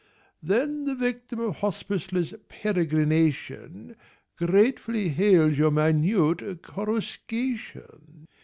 Then the victim of hospiceless peregrination Gratefully hails your minute coruscation.